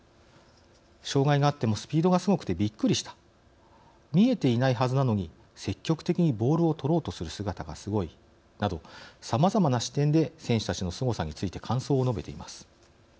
「障害があってもスピードがすごくてびっくりした」「見えていないはずなのに積極的にボールを取ろうとする姿がすごい」などさまざまな視点で選手たちのすごさについて感想を述べています。